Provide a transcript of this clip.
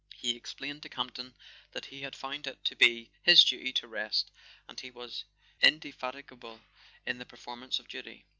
He explained to Campton that he had found it to be "his duty to rest"; and he was indefatigable in the performance of duty.